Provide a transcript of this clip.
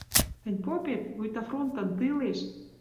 Тӹнь попет, вуйта, фронтын тылеш